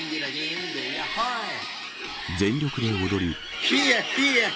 全力で踊り。